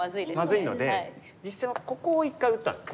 まずいので実戦はここを一回打ったんです。